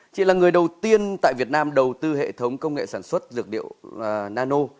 chị là người đầu tiên tại việt nam đầu tư hệ thống công nghệ sản xuất dược liệu nano